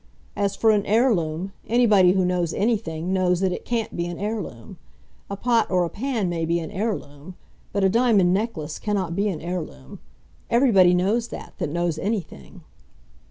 As for an heirloom, anybody who knows anything, knows that it can't be an heirloom. A pot or a pan may be an heirloom; but a diamond necklace cannot be an heirloom. Everybody knows that, that knows anything."